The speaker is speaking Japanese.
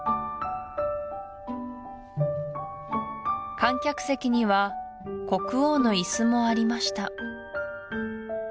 観客席には国王の椅子もありました